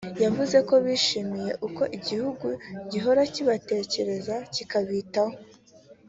yavuze ko bishimiye uko igihugu gihora kibatekereza kikabitaho